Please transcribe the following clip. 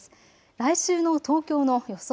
来週の東京の予想